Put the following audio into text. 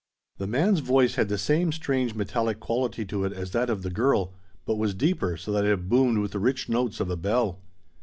The man's voice had the same strange metallic quality to it as that of the girl, but was deeper, so that it boomed with the rich notes of a bell.